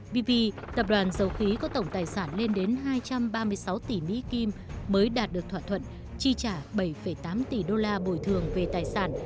vv tập đoàn dầu khí có tổng tài sản lên đến hai trăm ba mươi sáu tỷ mỹ kim mới đạt được thỏa thuận chi trả bảy tám tỷ đô la bồi thường về tài sản